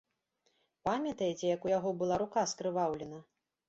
Памятаеце, як у яго была рука скрываўлена?